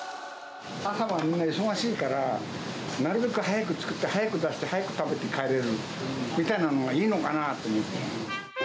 朝はみんな忙しいから、なるべく早く作って、早く出して、早く食べて帰れるみたいなのがいいのかなと思って。